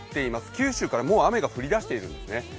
九州からもう雨が降りだしているんですね。